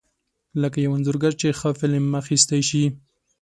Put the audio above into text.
لکه یو انځورګر چې ښه فلم اخیستی شي.